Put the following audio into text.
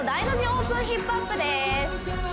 オープンヒップＵＰです